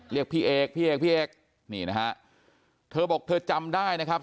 เรียกพี่เอกพี่เอกพี่เอกนี่นะฮะเธอบอกเธอจำได้นะครับ